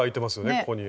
ここに。